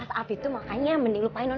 kau mau ngapain